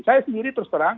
saya sendiri terus terang